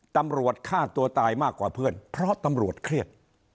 ตำรวจฆ่าตัวตายมากกว่าเพื่อนเพราะตำรวจเครียด